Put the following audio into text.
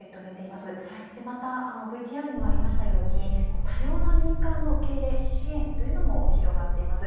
またＶＴＲにもありましたように多様な民間の受け入れ支援というのも広がっています。